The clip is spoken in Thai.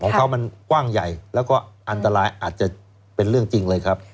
ของเขามันกว้างใหญ่แล้วก็อันตรายอาจจะเป็นเรื่องจริงเลยครับ